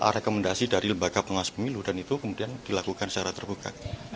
rekomendasi dari lembaga pengawas pemilu dan itu kemudian dilakukan secara terbuka